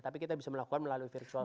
tapi kita bisa melakukan melalui virtual